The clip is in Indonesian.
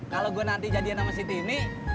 kalo gua nanti jadian sama si tini